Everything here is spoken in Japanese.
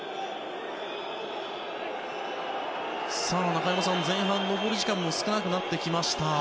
中山さん、前半残り時間も少なくなってきました。